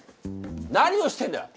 何をしてるんだ！